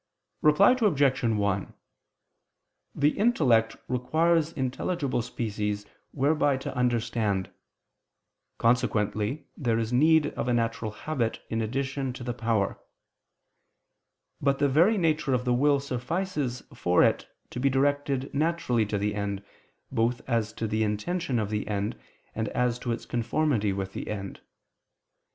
Reply Obj. 1: The intellect requires intelligible species whereby to understand: consequently there is need of a natural habit in addition to the power. But the very nature of the will suffices for it to be directed naturally to the end, both as to the intention of the end and as to its conformity with the end.